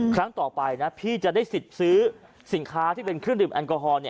ครั้งต่อไปนะพี่จะได้สิทธิ์ซื้อสินค้าที่เป็นเครื่องดื่มแอลกอฮอล์